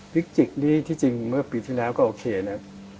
พิจิกนี่ที่จริงเมื่อปีที่แล้วก็โอเคนะ